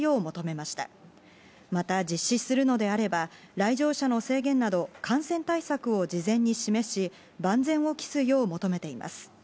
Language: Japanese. また実施するのであれば、来場者の制限など感染対策を事前に示し、万全を期すよう求めています。